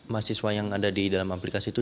mahasiswa yang ada di dalam aplikasi itu